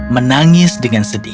menangis dengan sedih